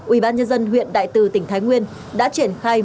ubnd huyện đại từ tỉnh thái nguyên đã triển khai